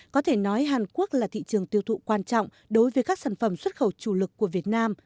có thể nói hàn quốc là thị trường tiêu thụ quan trọng đối với các sản phẩm xuất khẩu chủ lực của việt nam